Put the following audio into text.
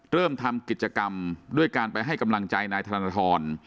เริ่มทำกิจกรรมด้วยการไปให้กำลังใจนายธนทร